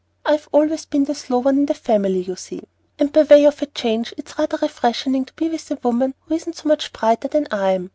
I've always been the slow one in our family, you see, and by way of a change it's rather refreshing to be with a woman who isn't so much brighter than I am.